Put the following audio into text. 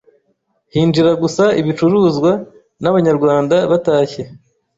hinjira gusa ibicuruzwa n'Abanyarwanda batashye